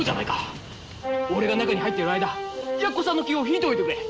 俺が中に入ってる間やっこさんの気を引いておいてくれ。